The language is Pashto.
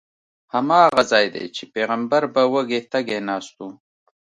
هماغه ځای دی چې پیغمبر به وږی تږی ناست و.